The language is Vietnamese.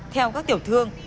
theo các tiểu thương